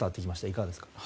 いかがですか？